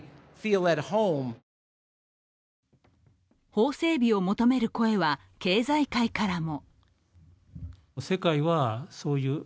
法整備を求める声は経済界からも。